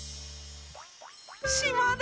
しまだ！